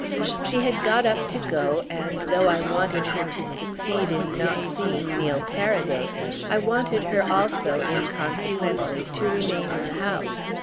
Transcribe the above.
She had got up to go, and though I wanted her to succeed in not seeing Neil Paraday I wanted her also, inconsequently, to remain in the house.